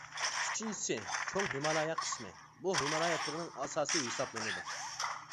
ئۈچىنچىسى، چوڭ ھىمالايا قىسمى، بۇ ھىمالايا تېغىنىڭ ئاساسى ھېسابلىنىدۇ.